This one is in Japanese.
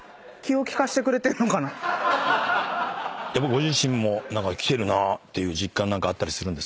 ご自身も何かきてるなっていう実感あったりするんですか？